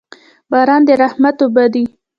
باران د رحمت اوبه دي.